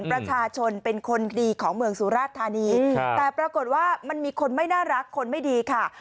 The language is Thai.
ประชาชนเป็นคนดีของเมืองสุราชธานีแต่ปรากฏว่ามันมีคนไม่น่ารักคนไม่ดีค่ะ